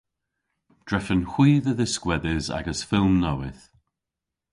Drefen hwi dhe dhiskwedhes agas fylm nowydh.